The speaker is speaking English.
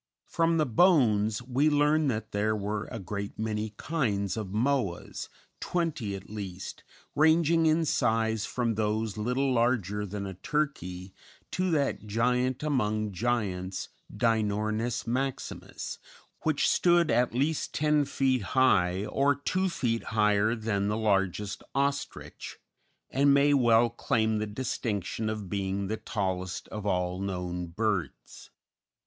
] From the bones we learn that there were a great many kinds of Moas, twenty at least, ranging in size from those little larger than a turkey to that giant among giants, Dinornis maximus, which stood at least ten feet high, or two feet higher than the largest ostrich, and may well claim the distinction of being the tallest of all known birds.